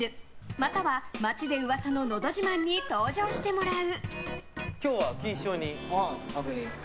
または、街で噂ののど自慢に登場してもらう。